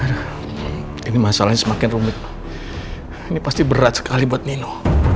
ini masalahnya semakin rumit ini pasti berat sekali buat nino